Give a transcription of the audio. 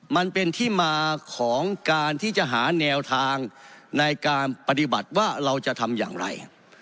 มันเป็นที่มาของการที่จะหาแนวทางในการปฏิบัติว่าเราจะทำอย่างไร